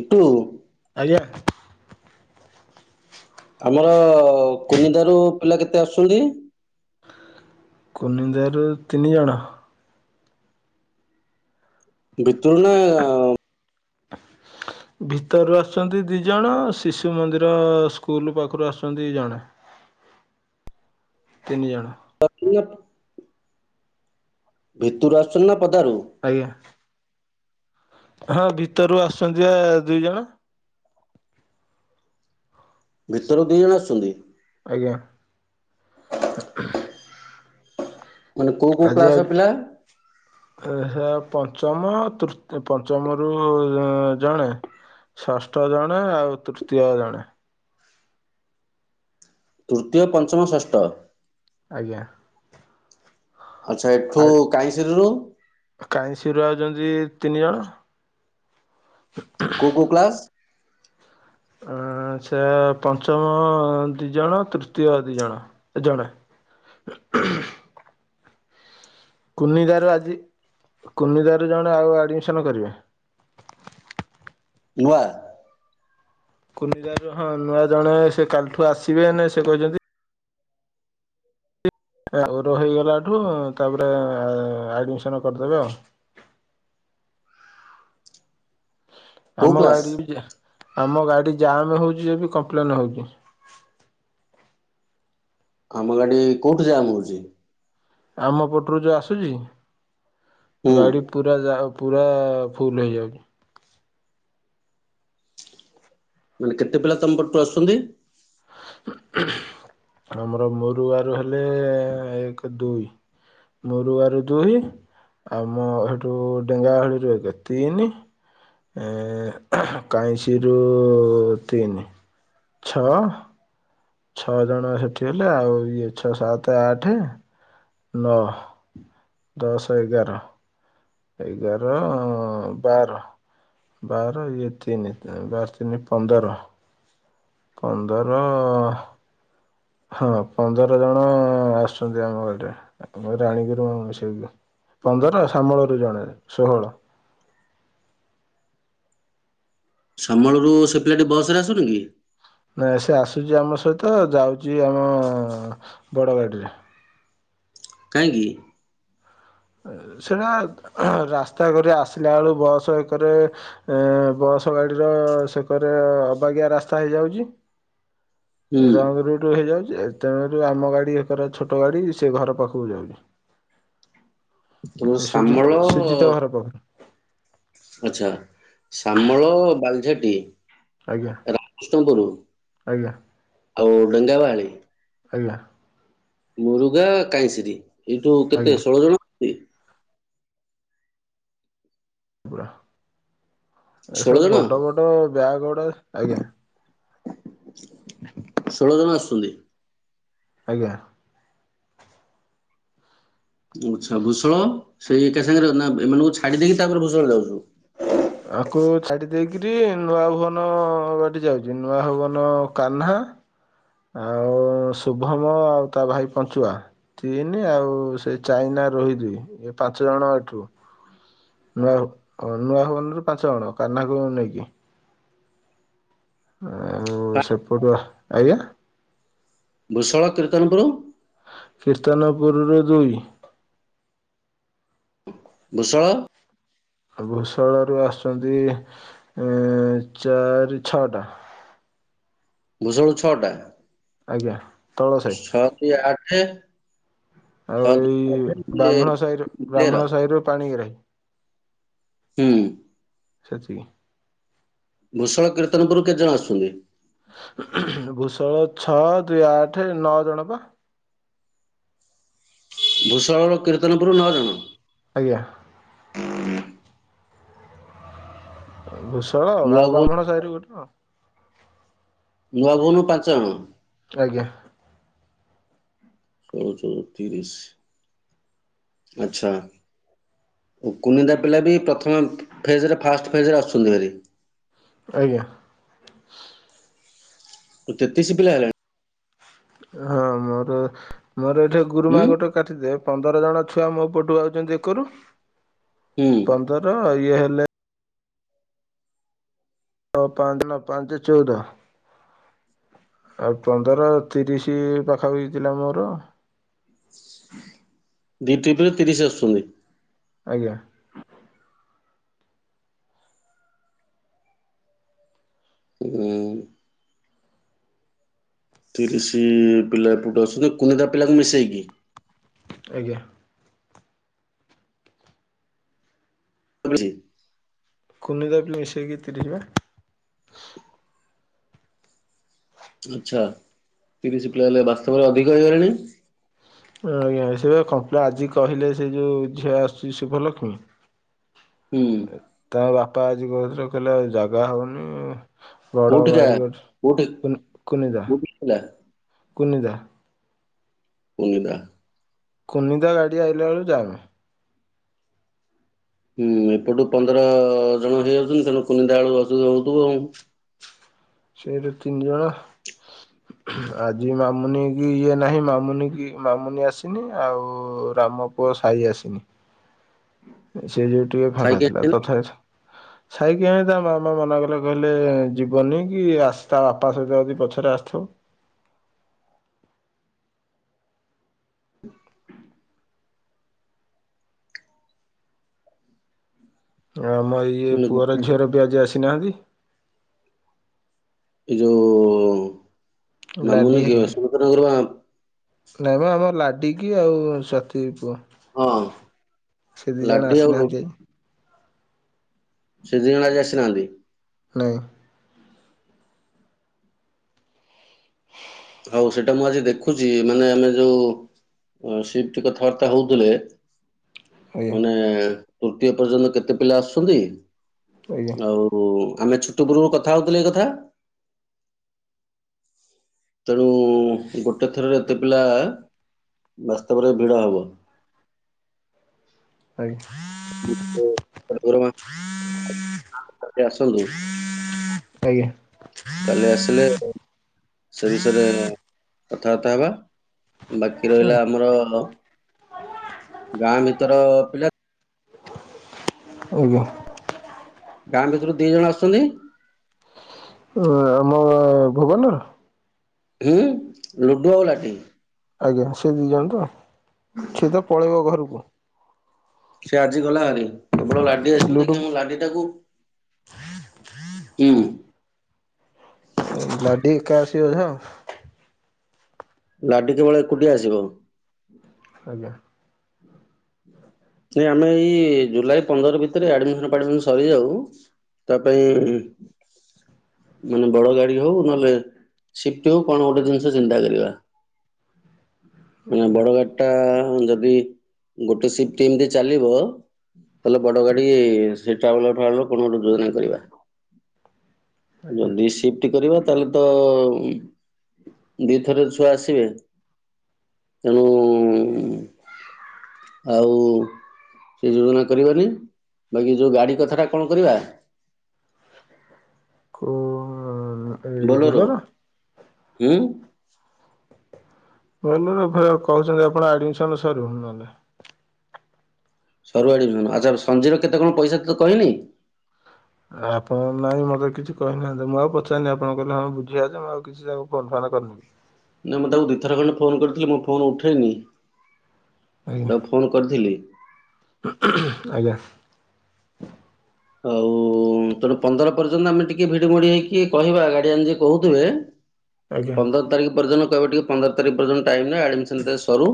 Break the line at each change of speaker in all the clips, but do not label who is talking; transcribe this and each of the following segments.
ଏଠୁ
ଆଜ୍ଞା।
ଆମର କୁନିନ୍ଦା ରୁ ପିଲା କେତେ ଆସୁଛନ୍ତି?
କୁନିନ୍ଦା ରୁ ତିନି ଜଣ।
ଭିତରୁ ନା ଅ
ଭିତରରୁ ଆସୁଛନ୍ତି ଦୁଇଜଣ ଶିଶୁ ମନ୍ଦିର ସ୍କୁଲ ପାଖରୁ ଆସୁଛନ୍ତି ଜଣେ। ତିନି ଜଣ।
[inaudible] ଭିତରୁ ଆସୁଛନ୍ତି ନା ପଦାରୁ?
ଆଜ୍ଞା। ହଁ ଭିତରୁ ଆସୁଛନ୍ତି ବା ଦୁଇଜଣ।
ଭିତରୁ ଦିଇ ଜଣ ଆସୁଛନ୍ତି?
ଆଜ୍ଞା।
ମାନେ କୋଉ କୋଉ
ଆଜି ଆ
କ୍ଲାସ ପିଲା?
ସେ ପଞ୍ଚମ ତୃତୀୟ ପଞ୍ଚମରୁ ଉ ଜଣେ। ଷଷ୍ଠ ଜଣେ ଆଉ ତୃତୀୟ ଜଣେ।
ତୃତୀୟ ପଞ୍ଚମ ଷଷ୍ଠ?
ଆଜ୍ଞା।
ଆଚ୍ଛା ଏଠୁ କାହିଁଶିରିରୁ?
କାହିଁ ସିରୁ ଆଉଛନ୍ତି ତିନି ଜଣ।
କୋଉ କୋଉ କ୍ଲାସ?
ଅ ସେ ପଞ୍ଚମ ଦି ଜଣ ତୃତୀୟ ଦି ଜଣ ଏ ଜଣେ। କୁନିଦାରୁ ଆଜି କୁନିଦାରୁ ଜଣେ ଆଉ ଆଡ଼ମିସନ୍ କରିବେ।
ନୂଆ?
କୁନିଦାର ହଁ ନୂଆ ଜଣେ ସେ କାଲିଠୁ ଆସିବେ ସେ କହିଛନ୍ତି ଆଉ ହେଇଗଲାଠୁ ତାପରେ ଆଡ୍ମିଶନ କରିଦେବେ ଆଉ।
କୋଉ
ଆମ
କ୍ଲାସ
ଗାଡ଼ି ଆମ ଗାଡ଼ି ଜାମ୍ ହେଉଛି ଏ ବି କମ୍ପ୍ଲେନ୍ ହେଉଛି।
ଆମ ଗାଡି କୋଉଠି ଯାମହୋଉଛି?
ଆମ ପଟରୁ ଯେଉଁ ଆସୁଛି
ହୁଁ
ଗାଡ଼ି ପୁରା ଯା ପୁରା ଫୁଲ ହୋଇଯାଉଚି।
ମାନେ କେତେ ପିଲା ତମ ପଟରୁ ଆସୁଛନ୍ତି?
ଆମର ମରୁଗାଁରୁ ହେଲେ ଏକ ଦୁଇ। ମୋରୁଆରୁ ଦୁଇ ଆଉ ମୋ ସେଠୁ ଡେଙ୍ଗାବାହାଳିରୁ ଏକ ତିନି। ଏ କାଇଁଶିରୁ ତିନି ଛଅ। ଛଅ ଜଣ ସେଠି ହେଲେ ଆଉ ଇଏ ଛଅ ସାତ ଆଠେ। ନଅ ଦଶ ଏଗାର ଏଗାର ବାର। ବାର ଇଏ ତିନି ବାର ତିନି ପନ୍ଦର। ପନ୍ଦର ହଁ ପନ୍ଦର ଜଣ ଆସୁଛନ୍ତି ଆମ ଘରେ। ଆ ରାଣୀଘରୁ ମିଶେଇକି ପନ୍ଦର ଶାମଳରୁ ଜଣେ ଷୋହଳ-
ସାମଳରୁ ସେ ପିଲା ଟି ବସ୍ ରେ ଆସୁନି କି?
ନା ସେ ଆସୁଛି ଆମ ସହିତ ଯାଉଛି ଆମ ବଡ଼ ଗାଡ଼ିରେ
କାହିଁକ କି?
ସେଟା ରାସ୍ତା କରିରେ ଆସିଲା ବେଳୁ ବସ୍ ଏକରେ ଏ ବସ ଗାଡିର ସେକରେ ଅବାଗିଆ ରାସ୍ତା ହେଇଯାଉଛି।
ହୁଁ
ରଙ୍ଗ ରୁଟ ହେଇଯାଉଛି। ତେଣୁକରି ଆମ ଗାଡ଼ି ଏକର ଛୋଟ ଗାଡ଼ି ସେ ଘର ପାଖକୁ ଯାଉଛି।
ତମ
ଏ
ଶାମଳ
ସୁଜିତ ସୁଜିତ ଘର ପାଖ
ଆଛା ଶାମଳ ବାଲିଝାଟି
ଆଜ୍ଞା
ରାମକୃଷ୍ଣପୁର
ଆଜ୍ଞା
ଆଉ ଡେଙ୍ଗାବାହାଳି
ଆଲଲା
ମୁରୁଗା କାଇଁସିରୀ ଏଇଠୁ କେତେ
ଆଜ୍ଞା
ଷୋଳ ଜଣ। ନ୍ତି
ପା
ଷୋହଳ
ଏସବୁ
ଜଣ
ବଡ ବଡ ବ୍ୟାଗ ଗୁଡା ଆଜ୍ଞା
ଷୋଳ ଜଣ ଆସୁଛନ୍ତି।
ଆଜ୍ଞା।
ଆଛା ଭୂଷଳ ସେଇ ଏକା ସାଙ୍ଗରେ ନା ଏମାନଙ୍କୁ ଛାଡି ଦେଇକି ତାପରେ ଭୂଷଳ ଯାଉଛୁ।
ଆକୁ ଛାଡ଼ି ଦେଇକିରି ନୂଆ ଭୁବନ ବାଟି ଯାଉଛି ନୂଆ ଭୁବନ କାହ୍ନା ଆଉ ଶୁଭମ ଆଉ ତା ଭାଇ ପଞ୍ଚୁଆ ତିନି ଆଉ ସେ ଚାଇନା ରୋହି ଦୁଇ ଏ ପାଞ୍ଚ ଜଣ ଏଠୁ ନୂଆ ନୂଆ ଭୁବନରୁ ପାଞ୍ଚ ଜଣ କାହ୍ନାକୁ ନେଇକି ଆଉ ସେପଟୁ ଆ- ଆଜ୍ଞା
ଭୂଷଳ କୀର୍ତ୍ତନପୁର
କୀର୍ତ୍ତନପୁରରୁ ଦୁଇ
ଭୁଷଳ
ଭୂଷଳରୁ ଆସୁଛନ୍ତି ଚାରି ଛଅଟା
ଭୂଷଳରୁ ଛଅଟା
ଆଜ୍ଞା, ତଳ ସାହି।
କି ଆଠେ
ଆଉ ଏଇ ବ୍ରାହ୍ମଣ ସାହିର
ଆଠ ତେର
ବ୍ରାହ୍ମଣ ସାହିରରୁ ପାଣିଗ୍ରାହୀ।
ହୁଁ
ସେତିକି।
ଭୂଷଳ କୀର୍ତ୍ତନପୁରରୁ କେତେଜଣ ଆସୁଛନ୍ତି।
ଭୂଷଳ ଛଅ ଦୁଇ ଆଠ ନଅ ଜଣ ପା
ଭୂଷଳରୁ କୀର୍ତ୍ତନପୁର ନଅ ଜଣ
ଆଜ୍ଞା। ଭୂଷଳ
ନୂଆ
ଆଉ
ଭୁବନ
ବ୍ରାହ୍ମଣ ସାହିରୁ ଗୋଟେ ଆଉ
ନୂଆ ଭୁବନରୁ ପାଞ୍ଚ ଜଣ।
ଆଜ୍ଞା।
ସୋଳ ଚଉତିରିଶ ଆଚ୍ଛା। ଓ କୁନିନ୍ଦା ପିଲା ବି ପ୍ରଥମେ ଫେଜରେ ଫାଷ୍ଟ ଫେଜରେ ଆସୁଛନ୍ତି ଭାରି।
ଆଜ୍ଞା।
ଆଉ ତେତିଶ ପିଲା ହେଲେଣି?
ହଁ ମୋର ମୋର ଏଇଠି ଗୁରୁମା
ହୁଁ
ଗୋଟେ କାଟିଦେ ପନ୍ଦର ଜଣ ଛୁଆ ମୋ ପଟୁ ଆଉଛନ୍ତି ଏକରୁ
ହୁଁ
ପନ୍ଦର ଇଏ ହେଲେ ନଅ ପାଞ୍ଚ ନଅ ପାଞ୍ଚ ଚଉଦ ଆଉ ପନ୍ଦର ତିରିଶ ପାଖାପାଖି ପିଲା ମୋର।
ଦୁଇ ଟ୍ରିପ ରେ ତିରିଶ ଆସୁଛନ୍ତି।
ଆଜ୍ଞା।
[inaudible] ତିରିଶ ପିଲା ଏପଟୁ ଅଛନ୍ତି କୋଡ଼ିଏ ଟା ପିଲାଙ୍କୁ ମିଶେଇକି।
ଆଜ୍ଞା।
ଆଚ୍ଛା
କୁନିର ବି ମିଶାଇକି ତିରିଶି ପା
ଆଚ୍ଛା ତିରିଶ ପିଲା ହେଲେ ବାସ୍ତବରେ ଅଧିକ ହେଇଗଲେଣି।
ଆଜ୍ଞା ସେ କମ୍ପ୍ଲେନ୍ ଆଜି କହିଲେ ସେ ଯେଉଁ ଝିଅ ଆସୁଛି ଶୁଭଲକ୍ଷ୍ମୀ।
ହୁଁ।
ତାଙ୍କ ବାପା ଆଜି କହୁଥିଲେ କହିଲେ ଜାଗା ହଉନି। ବଡ଼
କୋଉଠିକା
ବାରି
କୋଉଠି
କୁ କୁନିଦା
କୋଉଠି ଥିଲା
କୁନିଦା।
କୁନିଦା
କୁନିଦା ଗାଡ଼ି ଆଇଲା ବେଳକୁ ଯାମ
ହୁଁ ଏପଟୁ ପନ୍ଦର ଜଣ ହେଇଯାଉଛନ୍ତି ତେଣୁ କୁନିନ୍ଦା ବଳୁ ଅସୁବିଧା ହଉଥିବ ଆଉ
ସେ ଦି ତିନିଜଣ
ହୁଁ।
ଆଜି ମାମୁନି କି ଇଏ ନାହିଁ ମାମୁନି କି ମାମୁନି ଆସିନି ଆଉ ରାମ ପୁଅ ସାଇ ଆସିନି। ସେଇ ଯୋଉ ଟିକେ ଫାଙ୍କା
ଖାଇକି
ଥିଲା
ଆସିଲେ
ତଥାପି
[unintelligible]
ସାଇକି ହ ତା ମାମା ମନା କଲେ କହିଲେ ଯିବନି କି ଆ [unintelligible] ବାପା ସହିତ ଯଦି ପଛରେ ଆସିଥିବ। ଆମ ଇଏ ପୁଅର ଝିଅର ବି ଆଜି ଆସିନାହାନ୍ତି।
ଏଇ ଯୋଉ
ଲାଡି
ମାମୁନି କି
ହେରିକା।
ସୁମତନଗର
ନାଇଁ ମ ଆମ ଲାଡି କିି ଆଉ ସତୀ ପୁଅ।
ହଁ
ସେ ଦି ଜଣ
ଲାଡି ଆଉ
ଆସିନାହାନ୍ତି ଆଜି
ସେ ଦିିଜଣ ଆଜି ଆସିନାହାନ୍ତି।
ନାଇଁ।
ହଉ ସେଇଟା ମୁଁ ଆଜି ଦେଖୁଛି ମାନେ ଆମେ ଯୋଉ ଅ ସିଫ୍ଟି କଥାବାର୍ତ୍ତା ହଉଥିଲେ।
ଆଜ୍ଞା
ମାନେ ତୃତୀୟ ପର୍ଯ୍ୟନ୍ତ କେତେ ପିଲା ଆସୁଛନ୍ତି
ଆଜ୍ଞା
ଆଉ ହୁଁ, ଆମେ ଛୁଟି ପୂର୍ବରୁ କଥା ହେଉଥିଲେ ଏ କଥା। ତେଣୁ ଗୋଟେ ଥରରେ ଏତେ ପିଲା ବାସ୍ତବରେ ଭିଡ ହବ [unintelligible]
[inaudible] ଆଜ୍ଞା
କାଲି ଆସିଲେ ସେ ବିଷୟରେ କଥାବାର୍ତ୍ତା ହେବା। ବାକି
ଆଜ୍ଞା
ରହିଲା ଆମର ଗାଁ ଭିତର ପିଲା।
ଆଜ୍ଞା।
ଗାଁ ଭିତରୁ ଦି ଜଣ ଆସୁଛନ୍ତି।
ହୁଁ। ଆମ ଭୁବନ
ହୁଁ ଲୁଡ଼ୁ ଆଉ ଲାଠି।
ଆଜ୍ଞା ସିଏ ଦୁଇ ଜଣ ତ, ସିଏ ତ ପଳେଇବ ଘରକୁ।
ସେ ଆଜି ଗଲା ହରି କେବଳ ଲାଡି ଆସିବ
ଲୁଡୁ
ଦେଖିବ ଆମ ଲାଡିଟାକୁ ହୁଁ।
ଲାଡି ଏକା ଆସିଅ ବୋଧେ ଆଉ
ଲାଡି କେବଳ ଏକୁଟିଆ ଆସିବ।
ଆଜ୍ଞା।
ନାଇ ଆମେ ଏଇ ଜୁଲାଇ ପନ୍ଦର ଭିତରେ ଆଡମିସନ ଫାଡମିସନ ସରିଯାଉ ତା ପାଇଁ ମାନେ ବଡ ଗାଡି ହଉ ନହେଲେ ସିପ୍ଟିକୁ କଣ ଗୋଟେ ଜିନିଷ ଚିନ୍ତା କରିବା ମାନେ ବଡ ଗାଡି ଟା ଯଦି ଗୋଟେ ସିପ ସିଫ୍ଟିଂ ରେ ଚାଲିବ ତାହଲେ ବଡ ଗାଡି ସେ ଟ୍ରାଭଲର ଫ୍ରାଭଲର କଣ ଗୋଟେ ଯୋଜନା କରିବା
ଆଜ୍ଞା
ଯଦି କରିବା ତାହେଲେ ତ ଦି ଥର ଛୁଆ ଆସିବେ ତେଣୁ ଆଉ ସେ ଯୋଜନା କରବାନି ବାକି ଯୋଉ ଗାଡି କଥାଟା କଣ କରିବା
କ
ବୋଲେର ହୁଁ
କହୁଛନ୍ତି ଆପଣ ଆଡମିସନ ସରିବ ନହେଲେ
ସରୁ ଆଡ଼ମିନ ଆଚଛା ସଞ୍ଜିର କେତେ କଣ ପଇସା ତତେ କହିନି
ଆପଣ ନାଇଁ ମତେ କିଛି କହିନାହାନ୍ତି ମୁଁ ଆଉ ପଚାରନି ଆପଣ କହିଲେ ହଁ ବୁଝିଆ ମୁଁ ଆଉ କିଛି କିଛି ତାକୁ ଫୋନ୍ ଫାନ କରିନି
ନା ମୁଁ ତାକୁ ଦୁଇଥର ଖଣ୍ଡେ ଫୋନ୍ କରିଥିଲି ମୁଁ ଫୋନ ଉଠାଇନି
ଆଜ୍ଞା
ତାକୁ ଫୋନ କରିଥିଲି
ଆଜ୍ଞା
ଆଉ ହ ତେଣୁ ପନ୍ଦର ପର୍ଯ୍ୟନ୍ତ ଆମେ ଟିକେ ଭିଡି ମୋଡି ହେଇକି କହିବା ଗାଡିଆନ ଯିଏ କହୁଥିବେ
ଆଜ୍ଞା
ପନ୍ଦର ତାରିଖ ପରଦିନ କହିବେ ଟିକେ ପନ୍ଦର ତାରିଖ ପର୍ଯ୍ୟନ୍ତ ଟାଇମ ନିଅ ଆଡମିସନ ସରୁ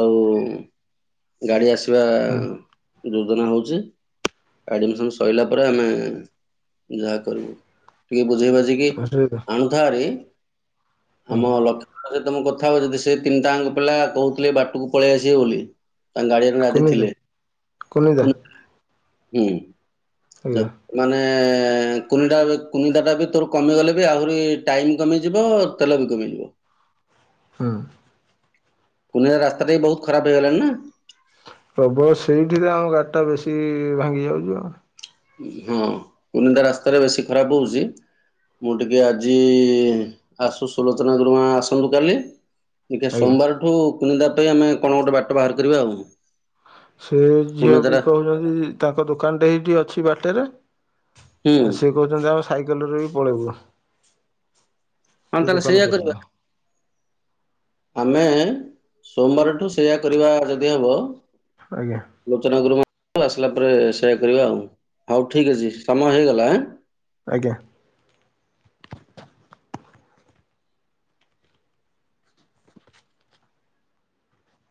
ଆଉ ଗାଡି ଆସିବା
ହଁ
ଯୋଜନା ହଉଛି ଆଡ଼ମିସନ୍ ସରିଲା ପରେ ଆମେ ଯାହା କରିବୁ ଟିକେ ବୁଝେଇ ବାଝିକି
ଅସୁବିଧା
ଆଣୁଥା ହେରି ଆମ
ଆଜ୍ଞା
ଲକ୍ଷ୍ମୀ ମୋର ତମ କଥା ହଉଥିଲୁ ସେ ତିନିଟାଙ୍କ ପିଲା କହୁଥିଲେ ବାଟକୁ ପଳେଇ ଆସିବେ ବୋଲି ତାଙ୍କ ଗାର୍ଡିଆନ ରାଜି
କଣିଦା
ଥିଲେ
କନିଦ [inaudible]
କୁନି- ହୁଁ ଯ
ଆଜ୍ଞା
ମାନେ କୁନି କୁନିଟାଟା ବି ତୋର କମିଗଲେ ବି ଆହୁରି ଟାଇମ କମିଯିବ ତେଲ ବିିକ ମିଳିବ
ହଁ
କୁନିରା ରାସ୍ତାଟା ବି ବହୁତ ଖରାପ ହେଇଗଲାଣି ନା
ପ୍ରବଳ ସେଇଠିରେ ଆମ ଗାଡି ଟା ବେଶୀ ଭାଙ୍ଗି ଯାଉଛି ଆଉ
ହଁ କୁନିନ୍ଦା ରାସ୍ତାରେ ବେଶୀ ଖରାପ ହେଉଛି ମୁଁ ଟିକିଏ ଆଜି ଆସୁ ସୁଲୋଚନା ଗୁରୁମା ଆସନ୍ତୁ କାଲି
ଆଜ୍ଞା
ସୋମବାରଠୁ କୁନିନ୍ଦା ପାଇଁ ଆମେ କଣ ଗୋଟେ ବାଟ ବାହାର କରିବା ଆଉ
ସେ ଝିଅ
କୁନିଦାର
ବି କହୁଛନ୍ତି ତାଙ୍କ ଦୋକାନଟା ଏଇଠି ଅଛି ବାଟରେ
ହୁଁ
ସେ କହୁଛନ୍ତି ଆମେ ସାଇକେଲରେ ବି ପଳେଇବୁ
ହଁ
ସେ
ତାହେଲେ ସେଇଆ
ଦୋକାନ
କରିବା।
ପର୍ଯ୍ୟନ୍ତ
ଆମେ ସୋମବାରଠୁ ସେୟା କରିବା ଯଦି ହବ
ଆଜ୍ଞା
ସୁଲୋଚନା ଗୁରୁମା ଠୁ ଆସିଲା ପରେ ସେୟା କରିବା ଆଉ ହଉ ଠିକ ଅଛି ସମୟ ହେଇଗଲା
ଆଜ୍ଞା